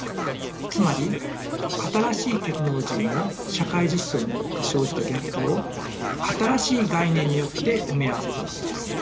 つまり新しいテクノロジーの社会実装によって生じたギャップを新しい概念によって埋め合わせたわけです。